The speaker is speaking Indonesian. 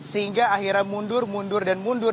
sehingga akhirnya mundur mundur dan mundur